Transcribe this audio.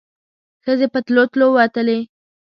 ښځې په تلو تلو وتلې.